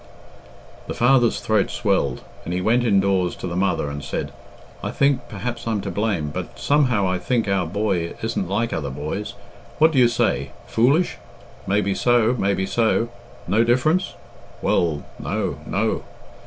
The father's throat swelled, and he went indoors to the mother and said, "I think perhaps I'm to blame but somehow I think our boy isn't like other boys. What do you say? Foolish? May be so, may be so! No difference? Well, no no!"